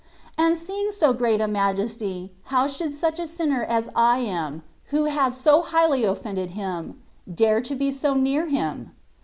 And seeing so great a majesty^ how should such a sinner as I am^ who have so highly offended Him^ dare to be so near Him?